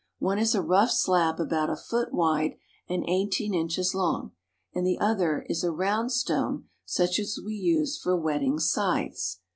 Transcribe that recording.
One is a rough slab about a foot wide and eighteen inches long, and the other is a round stone such as we use for whetting scythes.